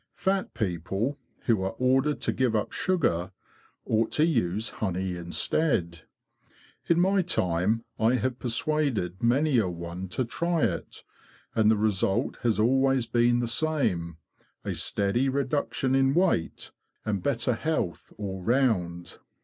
Fat people, who are ordered to give up sugar, ought to use honey instead. In my time I have persuaded many a one to try it, and the result has always been the same—a steady reduction in weight, and better health all round.